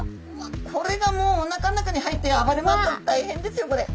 これがもうおなかの中に入って暴れ回ったら大変ですよこれ。